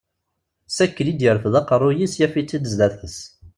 S akken i d-yerfed aqerruy-is yaf-itt-id sdat-s.